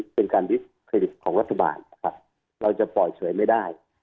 เป็นการวิเครดิตของรัฐบาลนะครับเราจะปล่อยเฉยไม่ได้